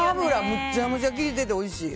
むちゃくちゃきいてておいしい。